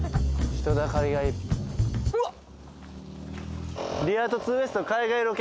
人だかりがえっ？